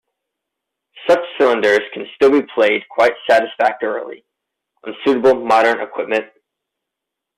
Such cylinders can still be played quite satisfactorily on suitable modern equipment.